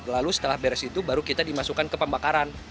lalu setelah beres itu baru kita dimasukkan ke pembakaran